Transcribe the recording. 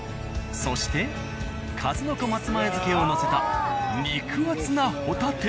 そして数の子松前漬けをのせた肉厚なほたて。